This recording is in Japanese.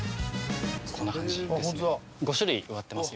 こんな感じですね。